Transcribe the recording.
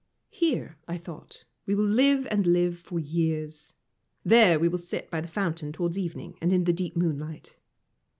Here, I thought, we will live and live for years. There we will sit by the fountain towards evening and in the deep moonlight.